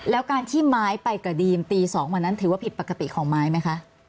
แล้วการที่ไม้ไปกับดีมตี๒วันนั้นถือว่าผิดปกติของไม้ไหมคะ